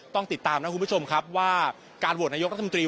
ต้องติดตามนะคุณผู้ชมครับว่าการโหวตนายกรัฐมนตรี